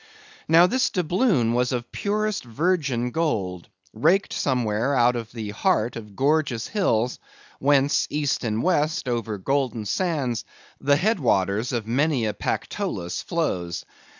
Now this doubloon was of purest, virgin gold, raked somewhere out of the heart of gorgeous hills, whence, east and west, over golden sands, the head waters of many a Pactolus flows.